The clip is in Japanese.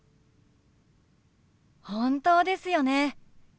本当ですよね。